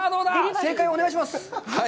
正解をお願いします。